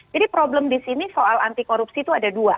jadi problem di sini soal anti korupsi itu ada dua